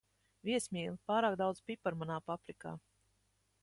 Viesmīli, pārāk daudz piparu manā paprikā.